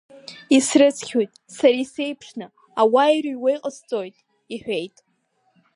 Исрыцқьоит, сара исеиԥшны, ауаа ирҩуа иҟасҵоит, – иҳәеит.